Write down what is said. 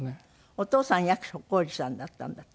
お父さん役所広司さんだったんだって？